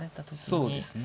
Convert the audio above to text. そうですね。